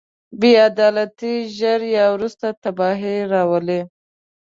بې عدالتي ژر یا وروسته تباهي راولي.